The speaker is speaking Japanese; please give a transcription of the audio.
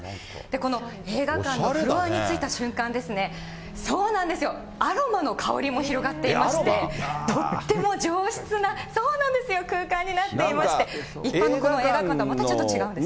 この映画館のフロアに着いた瞬間ですね、そうなんですよ、アロマの香りも広がっていまして、とっても上質な空間になっていまして、一般の映画館とはまたちょっと違うんです。